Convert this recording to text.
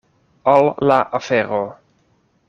Al la afero!